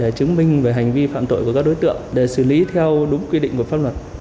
để chứng minh về hành vi phạm tội của các đối tượng để xử lý theo đúng quy định của pháp luật